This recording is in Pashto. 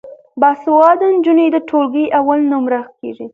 باسواده نجونې د ټولګي اول نمره کیږي.